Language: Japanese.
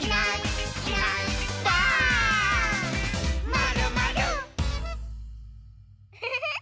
「まるまる」ウフフフ！